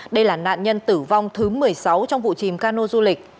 đây là nạn nhân tử vong thứ một mươi sáu trong vụ chìm cano du lịch